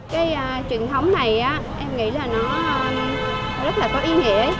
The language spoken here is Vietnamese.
cái truyền thống này em nghĩ là nó rất là có ý nghĩa